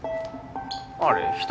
あれ１人？